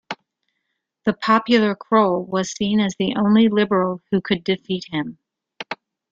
The popular Croll was seen as the only Liberal who could defeat him.